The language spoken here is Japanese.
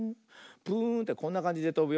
プーンってこんなかんじでとぶよ。